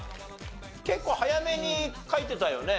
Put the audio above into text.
結構早めに書いてたよね？